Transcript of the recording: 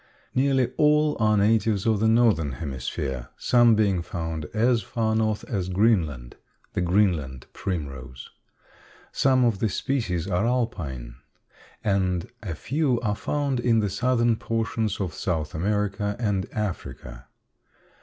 Nearly all are natives of the Northern hemisphere, some being found as far north as Greenland (the Greenland primrose). Some of the species are Alpine, and a few are found in the southern portions of South America and Africa.